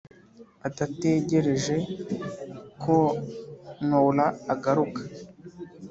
adategereje ko nowla agaruka.